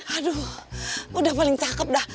aduh udah paling takep dah